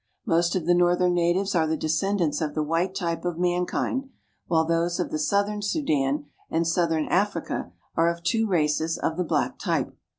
Most of the northern natives are the descendants of the white type of mankind, while those of the southern Sudan and southern Africa are of two races of the black type.